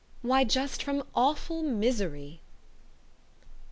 "Why just from awful misery."